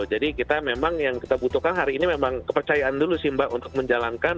jadi kita memang yang kita butuhkan hari ini memang kepercayaan dulu sih mbak untuk menjalankan